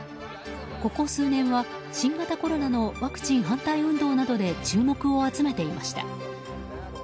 ここ数年は、新型コロナのワクチン反対運動などで注目を集めていました。